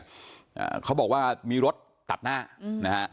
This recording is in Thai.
อ่าเขาบอกว่ามีรถตัดหน้าอืมนะฮะ